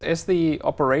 đạt được điều đó là